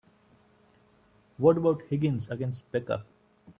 What about Higgins against Becca?